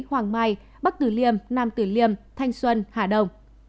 hoàng mai bắc tử liêm nam tử liêm thanh xuân hà đông